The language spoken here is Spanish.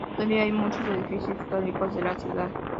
Todavía hay muchos edificios históricos de la ciudad.